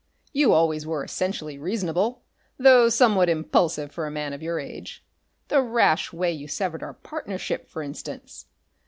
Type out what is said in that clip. You always were essentially reasonable, though somewhat impulsive for a man of your age. The rash way you severed our partnership, for instance....